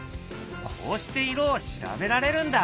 こうして色を調べられるんだ。